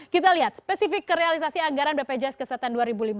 kita lihat spesifik kerealisasi anggaran bpjs kesehatan dua ribu lima belas